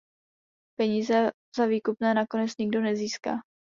Peníze za výkupné nakonec nikdo nezíská.